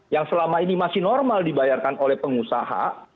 yang selama ini masih normal dibayarkan oleh pengusaha